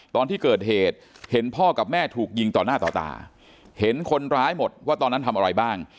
ตอนที่เกิดเหตุเห็นพ่อกับแม่ถูกยิงต่อหน้าต่อตาเห็นคนร้ายหมดว่าตอนนั้นทำอะไรบ้าง